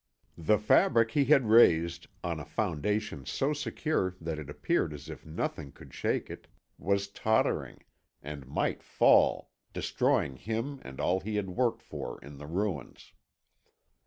The fabric he had raised, on a foundation so secure that it appeared as if nothing could shake it, was tottering, and might fall, destroying him and all he had worked for in the ruins.